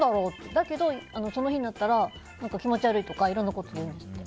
だけど、その日になったら気持ち悪いとかいろんなことを言うんですね。